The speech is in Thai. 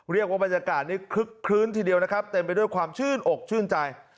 บรรยากาศนี้คึกคลื้นทีเดียวนะครับเต็มไปด้วยความชื่นอกชื่นใจ